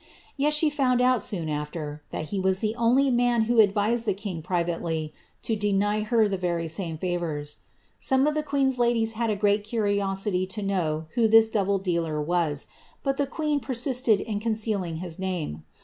Tel she foon^ out, soon after, that he was the only man who advised the king pri vately to deny her the very same fovours. Some of the queen's ladiei ,' had a great curiosity to know who this double^ealer was, but the qnsM . persisted in concealing his name.